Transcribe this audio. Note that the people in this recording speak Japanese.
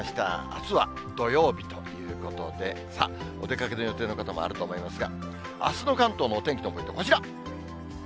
あすは土曜日ということで、お出かけの予定の方もあると思いますが、あすの関東のお天気のポイント、こちら。